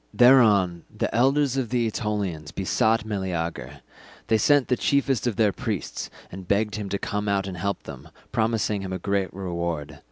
Thereon the elders of the Aetolians besought Meleager; they sent the chiefest of their priests, and begged him to come out and help them, promising him a great reward.